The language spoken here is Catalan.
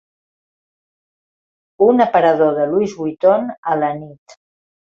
Un aparador de Louis Vuitton a la nit